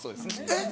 えっ？